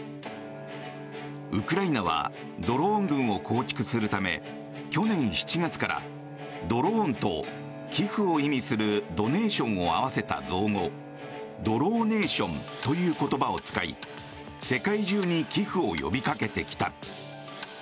ウクライナはドローン軍を構築するため去年７月からドローンと寄付を意味するドネーションを合わせた造語ドローネーションという言葉を使い世界中に寄付を呼びかけてきた。